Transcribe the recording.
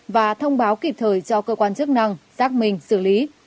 và thông báo kịp thời cho cơ quan chức năng giác mình xử lý